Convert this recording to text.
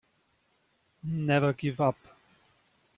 Never give up.